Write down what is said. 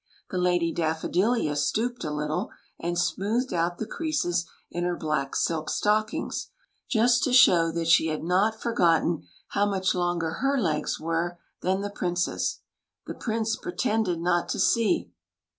The Lady Daffodilia stooped a little, and smoothed out the creases in her black silk stockings, just to show that she had not for gotten how much longer her legs were than the Prince's. The Prince pretended not to see.